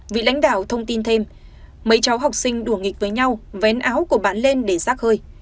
vị lãnh đạo thông tin thêm mấy cháu học sinh đùa nghịch với nhau vén áo của bạn lên để rác hơi